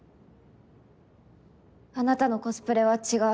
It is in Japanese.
あなたのコスプレは違う。